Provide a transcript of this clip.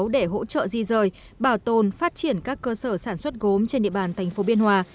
để hỗ trợ di rời bảo tồn phát triển các cơ sở sản xuất gốm trên địa bàn thành phố biên hòa